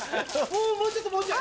もうちょっともうちょい！